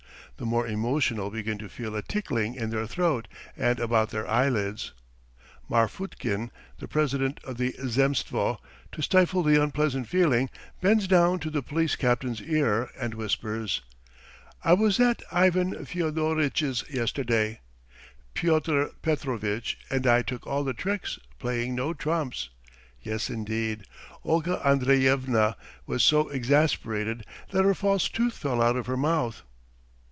The more emotional begin to feel a tickling in their throat and about their eyelids. Marfutkin, the president of the Zemstvo, to stifle the unpleasant feeling, bends down to the police captain's ear and whispers: "I was at Ivan Fyodoritch's yesterday. ... Pyotr Petrovitch and I took all the tricks, playing no trumps. ... Yes, indeed. ... Olga Andreyevna was so exasperated that her false tooth fell out of her mouth."